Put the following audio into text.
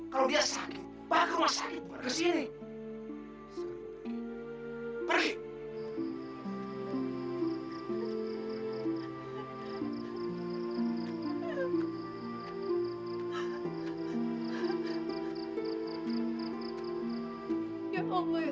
kalau dia sakit pak rumah sakit bukan kesini